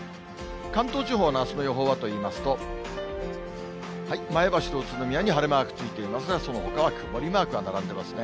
関東地方のあすの予報はといいますと、前橋と宇都宮に晴れマークついていますが、そのほかは曇りマークが並んでますね。